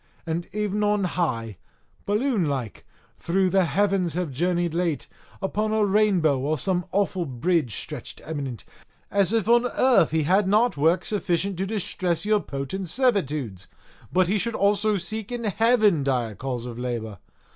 And ev'n on high, balloon like, through the heavens have journeyed late, upon a rainbow or some awful bridge stretched eminent, as if on earth he had not work sufficient to distress your potent servitudes, but he should also seek in heaven dire cause of labour!